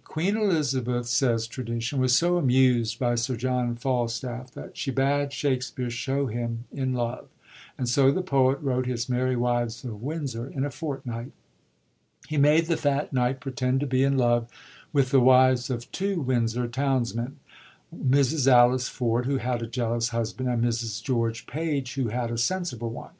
— Queen Elizabeth, says tradition, was so amused by Sir John Falstaff, that she bade Shakspere show him in love ; and so the poet wrote his Merry Wives of Windsor in a fortnight. He made the fat knight pretend to be in love with the wives of two Windsor townsmen— Mrs. Alice Ford, who had a jealous husband; and Mrs. George Page, who had a sensible one.